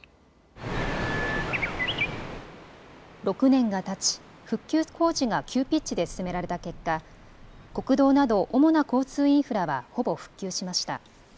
６年がたち、復旧工事が急ピッチで進められた結果、国道など主な交通インフラはほぼ復旧しました。